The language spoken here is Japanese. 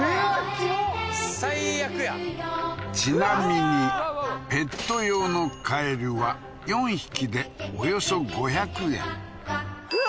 キモッ最悪やちなみにペット用のカエルは４匹でおよそ５００円うわ！